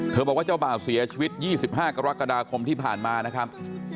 บอกว่าเจ้าบ่าวเสียชีวิต๒๕กรกฎาคมที่ผ่านมานะครับ